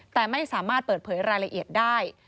แต่ไม่สามารถเปิดเผยรายละเอียดได้